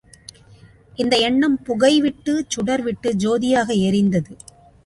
இந்த எண்ணம் புகைவிட்டு, சுடர்விட்டு, சோதியாக எரிந்தது.